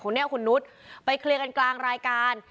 เนี่ยคุณนุษย์ไปเคลียร์กันกลางรายการ